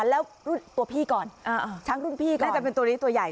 แล้วรุ่นตัวพี่ก่อนช้างรุ่นพี่ก็จะเป็นตัวนี้ตัวใหญ่